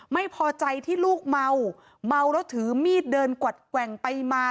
ไม่พอใจที่ลูกเมาเมาแล้วถือมีดเดินกวัดแกว่งไปมา